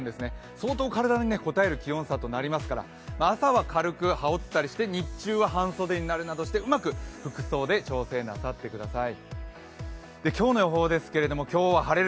相当、体に応える気温差となりますから朝は軽く羽織ったりして日中は半袖になるなどしてうまく服装で調整なさってください。